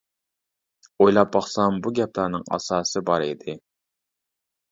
ئويلاپ باقسام بۇ گەپلەرنىڭ ئاساسى بار ئىدى.